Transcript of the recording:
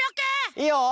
いいよ！